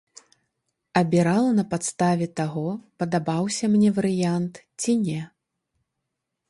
Абірала на падставе таго, падабаўся мне варыянт ці не.